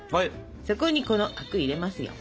そこにこの灰汁入れますよ。